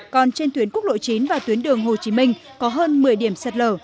còn trên tuyến quốc lộ chín và tuyến đường hồ chí minh có hơn một mươi điểm sạt lở